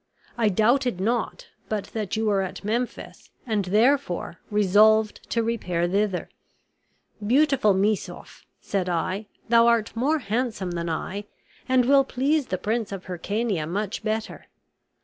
I doubted not but that you were at Memphis, and, therefore, resolved to repair thither. Beautiful Missouf, said I, thou art more handsome than I, and will please the Prince of Hircania much better.